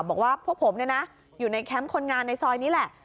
บอกว่าพวกผมเนี่ยนะอยู่ในแคมป์คนงานในซอยนี้แหละ